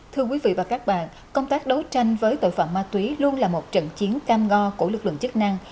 thưa quý vị và các bạn công tác đấu tranh với tội phạm ma túy luôn là một trận chiến cam ngo của lực lượng chức năng